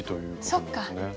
そっか。